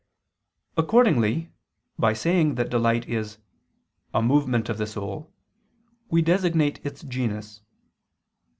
Accordingly by saying that delight is "a movement of the soul," we designate its genus.